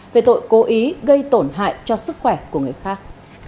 về tội cố ý gây tổn hại cho sức khỏe của người khác